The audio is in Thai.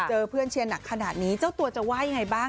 เจอเพื่อนเชียร์หนักขนาดนี้เจ้าตัวจะว่ายังไงบ้าง